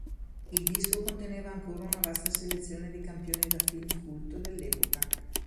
Il disco conteneva ancora una vasta selezione di campioni da film culto dell'epoca.